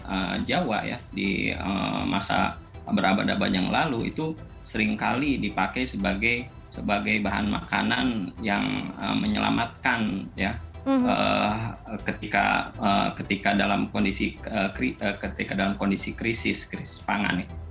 nah jawa ya di masa berabad abad yang lalu itu seringkali dipakai sebagai bahan makanan yang menyelamatkan ketika dalam kondisi krisis pangan